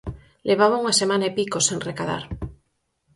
Levaba unha semana e pico sen recadar.